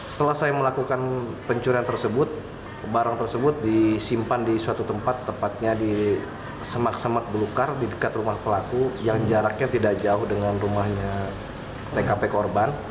setelah saya melakukan pencurian tersebut barang tersebut disimpan di suatu tempat tepatnya di semak semak belukar di dekat rumah pelaku yang jaraknya tidak jauh dengan rumahnya tkp korban